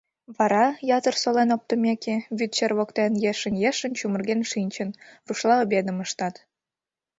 Вара, ятыр солен оптымеке, вӱд сер воктен ешын-ешын чумырген шинчын, рушла обедым ыштат.